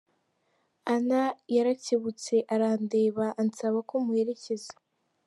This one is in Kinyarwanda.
Anna yarakebutse arandeba ansaba ko muherekeza.